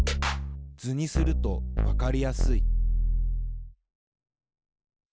図にするとわかりやすい。